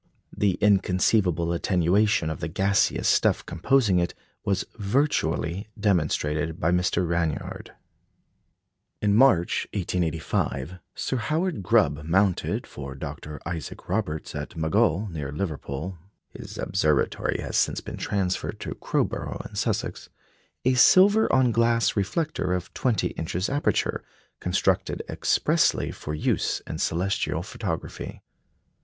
The inconceivable attenuation of the gaseous stuff composing it was virtually demonstrated by Mr. Ranyard. In March, 1885, Sir Howard Grubb mounted for Dr. Isaac Roberts, at Maghull, near Liverpool (his observatory has since been transferred to Crowborough in Sussex), a silver on glass reflector of twenty inches aperture, constructed expressly for use in celestial photography.